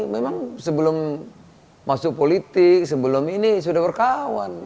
memang sebelum masuk politik sebelum ini sudah berkawan